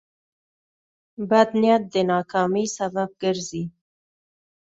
بد نیت د ناکامۍ سبب ګرځي.